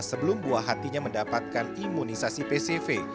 sebelum buah hatinya mendapatkan imunisasi pcv